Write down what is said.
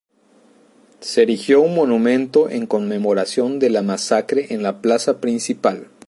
Se erigió un monumento en conmemoración de la masacre en la plaza principal.